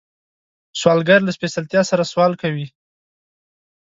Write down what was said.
سوالګر له سپېڅلتیا سره سوال کوي